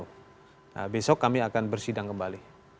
nah besok kami akan bersidang kembali